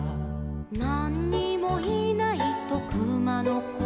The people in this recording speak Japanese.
「なんにもいないとくまのこは」